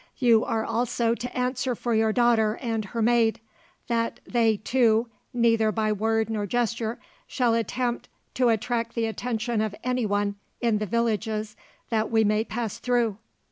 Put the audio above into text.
You are also to answer for your daughter and her maid; that they, too, neither by word nor gesture, shall attempt to attract the attention of anyone in the villages that we may pass through."